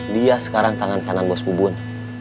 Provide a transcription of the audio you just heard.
dia sekarang tangan kanan bos bubun